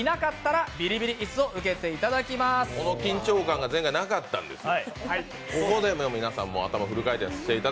この緊張感が前回なかったんですよ。